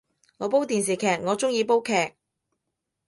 我煲電視劇，我鍾意煲劇